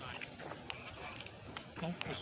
อุโหลรับเครื่องของเข้ามา